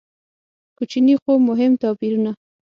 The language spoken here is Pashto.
کوچني خو مهم توپیرونه.